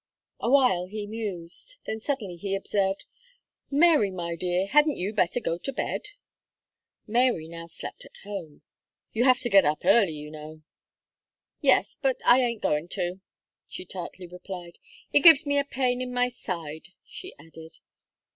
Awhile he mused, then suddenly he observed: "Mary, my dear, hadn't you better go to bed?" Mary now slept at home. "You have to get up early, you know." "Yes; but I ain't going to," she tartly replied. "It gives me a pain in my side," she added.